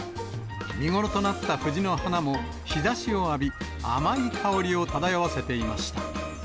見頃となった藤の花も、日ざしを浴び、甘い香りを漂わせていました。